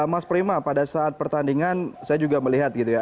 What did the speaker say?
mas prima pada saat pertandingan saya juga melihat gitu ya